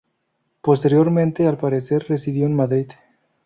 Posteriormente al parecer residió en Madrid.